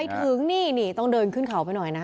ถึงนี่นี่ต้องเดินขึ้นเขาไปหน่อยนะ